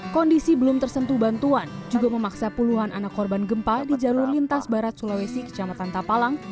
kondisi belum tersentuh bantuan juga memaksa puluhan anak korban gempa di jalur lintas barat sulawesi kecamatan tapalang